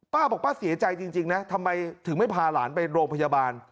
ป้าบอกป้าเสียใจจริงนะทำไมถึงไม่พาหลานไปโรงพยาบาล